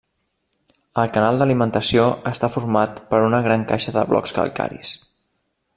El canal d'alimentació està format per una gran caixa de blocs calcaris.